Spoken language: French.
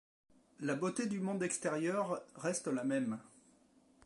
La beauté du monde extérieur reste la même.